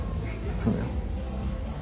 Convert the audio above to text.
そうだよ。